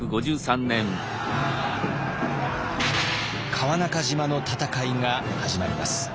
川中島の戦いが始まります。